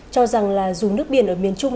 cho rằng là dù nước biển ở miền trung